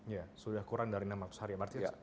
ya sudah kurang dari enam ratus hari ya